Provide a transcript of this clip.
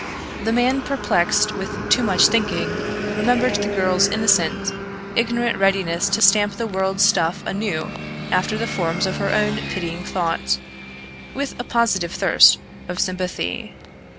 The man perplexed with too much thinking remembered the girl's innocent, ignorant readiness to stamp the world's stuff anew after the forms of her own pitying thought, with a positive thirst of sympathy.